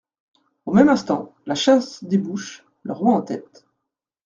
Au même instant, la chasse débouche, le roi en tête.